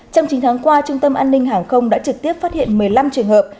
trong chín tháng qua trung tâm an ninh hàng không đã trực tiếp phát hiện một mươi năm trường hợp